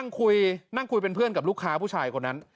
คุยนั่งคุยเป็นเพื่อนกับลูกค้าผู้ชายคนนั้น